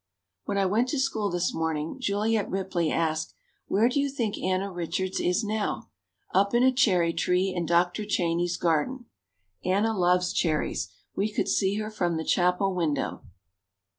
When I went to school this morning Juliet Ripley asked, "Where do you think Anna Richards is now? Up in a cherry tree in Dr. Cheney's garden." Anna loves cherries. We could see her from the chapel window.